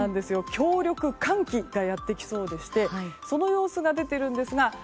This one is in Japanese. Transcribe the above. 強力寒気がやってきそうでしてその様子が出ているんですが